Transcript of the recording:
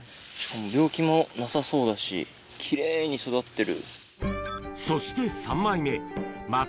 病気もなさそうだし奇麗に育ってる。